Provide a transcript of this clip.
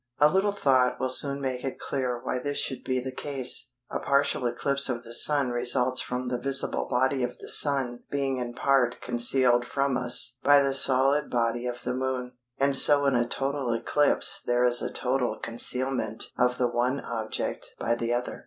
A little thought will soon make it clear why this should be the case. A partial eclipse of the Sun results from the visible body of the Sun being in part concealed from us by the solid body of the Moon, and so in a total eclipse there is total concealment of the one object by the other.